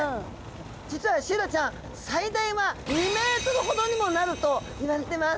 実はシイラちゃん最大は２メートルほどにもなるといわれてます。